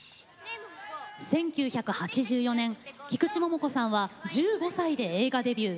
１９８４年菊池桃子さんは１５歳で映画デビュー。